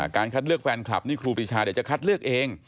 คัดเลือกแฟนคลับนี่ครูปีชาเดี๋ยวจะคัดเลือกเอง